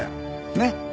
ねっ？